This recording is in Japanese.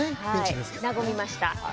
和みました。